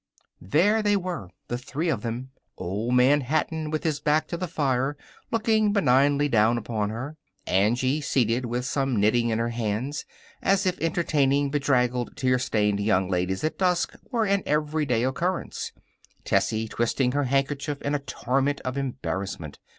There they were, the three of them: Old Man Hatton with his back to the fire, looking benignly down upon her; Angie seated, with some knitting in her hands, as if entertaining bedraggled, tear stained young ladies at dusk were an everyday occurrence; Tessie, twisting her handkerchief in a torment of embarrassment.